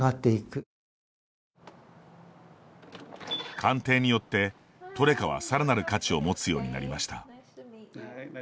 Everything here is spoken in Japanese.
鑑定によって、トレカはさらなる価値を持つようになりました。